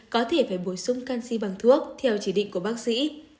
có thể phải bổ sung canxi bằng thuốc theo chỉ định của bác sĩ